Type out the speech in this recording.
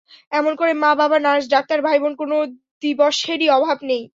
এমন করে মা, বাবা, নার্স, ডাক্তার, ভাইবোন কোনো দিবসেরই অভাব নেই।